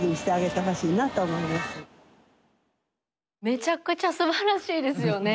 めちゃくちゃすばらしいですよね。